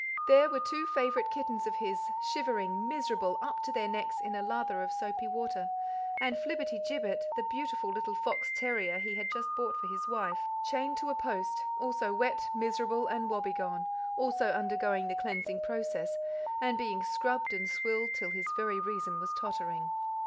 There were two favourite kittens of his, shivering, miserable, up to their necks in a lather of soapy water; and Flibberty Gibbet, the beautiful little fox terrier he had just bought for his wife, chained to a post, also wet, miserable, and woebegone, also undergoing the cleansing process, and being scrubbed and swilled till his very reason was tottering.